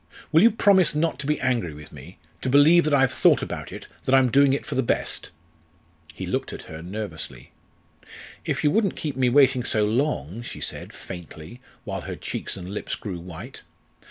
Will you promise not to be angry with me to believe that I've thought about it that I'm doing it for the best?" He looked at her nervously. "If you wouldn't keep me waiting so long," she said faintly, while her cheeks and lips grew white.